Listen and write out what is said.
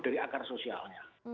dari akar sosialnya